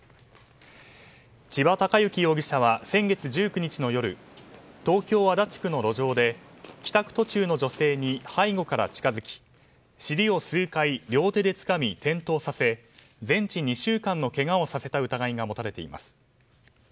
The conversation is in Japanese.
千葉貴之容疑者は先月１９日の夜東京・足立区の路上で帰宅途中の女性に背後から近づき尻を数回両手でつかみ転倒させ全治２週間のけがをさせた疑いが持たれています。